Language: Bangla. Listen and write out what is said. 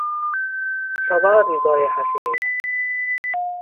সবার হৃদয়ে হাসে।।